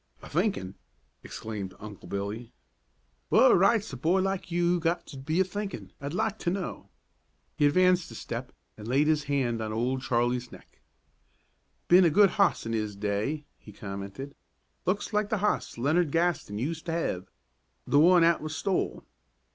"A thinkin'!" exclaimed Uncle Billy; "w'at right's a boy like you got to be a thinkin', I'd like to know?" He advanced a step and laid his hand on Old Charlie's neck. "Ben a good hoss in 'is day," he commented; "looks like the hoss Leonard Gaston use to hev, the one 'at was stole."